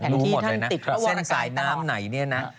รู้หมดเลยนะเส้นสายน้ำไหนเนี่ยนะ